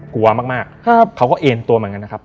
กลัวมากเขาก็เอ็นตัวเหมือนกันนะครับ